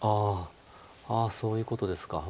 ああそういうことですか。